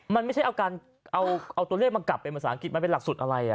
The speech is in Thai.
มันไม่ใช่เอาตัวเลขมากลับเป็นภาษาอังกฤษมันเป็นหลักสูตรอะไร